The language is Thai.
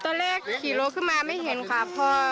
ตอนแรกขี่รถขึ้นมาไม่เห็นค่ะ